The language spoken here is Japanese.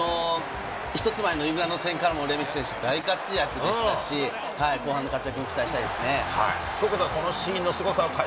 １つ前のイングランド戦からもレメキ選手大活躍でしたし、後半の活躍も期待したいですね。